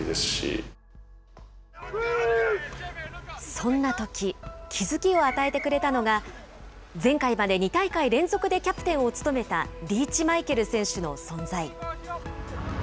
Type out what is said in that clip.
そんなとき、気付きを与えてくれたのが、前回まで２大会連続でキャプテンを務めたリーチマイケル選手の存在。